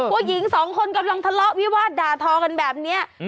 ผู้หญิงสองคนกำลังทะเลาะวิวาดด่าทอกันแบบนี้